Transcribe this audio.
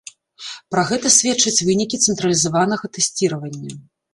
Пра гэта сведчаць вынікі цэнтралізаванага тэсціравання.